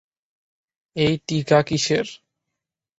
এই টিকা কীসের?